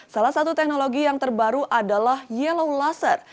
salah satu teknologi yang terbaru adalah yellow laser